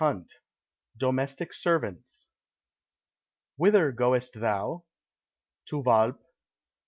140 Domestic Servants "Whither goest thou?" "To Walpe."